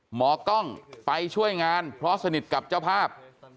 หมอกล้องไปช่วยงานเพราะสนิทกับเจ้าภาพ